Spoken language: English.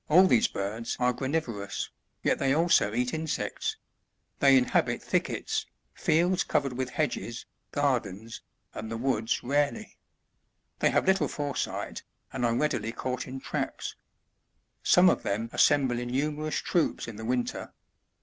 All these birds are granivorous, yet they also eat insects ; they inhabit thickets, fields covered with hedges, gardens, and the woods rarely. They have little foresight, and are readily caught in traps. Some of them assemble in numerous troops in the winter.